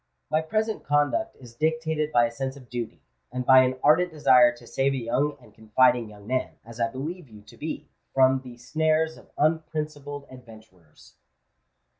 My present conduct is dictated by a sense of duty, and by an ardent desire to save a young and confiding young man, as I believe you to be, from the snares of unprincipled adventurers."